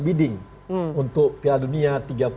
bidding untuk pihak dunia